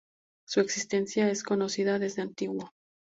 Su existencia es conocida desde antiguo.